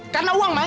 karena uang mai